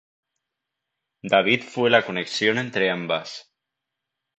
David fue la conexión entre ambas.